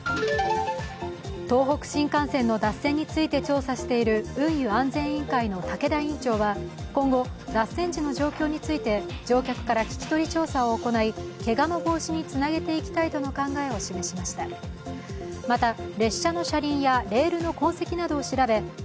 東北新幹線の脱線について調査している運輸安全委員会の武田委員長は今後、脱線地の状況について乗客から聞き取り調査を行いけがの防止につなげていきたいとの考えを示しました。